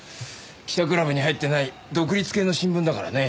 記者クラブに入ってない独立系の新聞だからね。